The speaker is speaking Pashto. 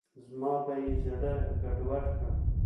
زما به یې زړه ګډوډ کړ.